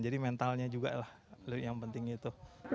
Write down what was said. jadi mentalnya juga lah yang penting itu